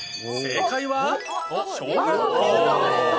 正解は、小学校。